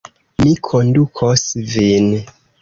Mi kondukos vin.